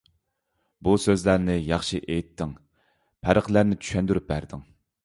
بۇ سۆزلەرنى ياخشى ئېيتتىڭ. پەرقلەرنى چۈشەندۈرۈپ بەردىڭ.